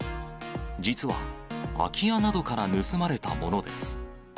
実は、空き家などから盗まれたものです。